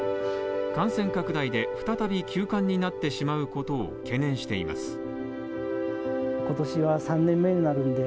感染拡大で再び休館になってしまうことを懸念しています。